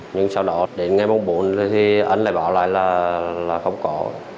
nhưng sau đó đến ngày mùng bốn anh lại bảo lại là không có